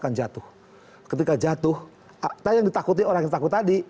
ketika jatuh tapi yang ditakuti orang yang takut tadi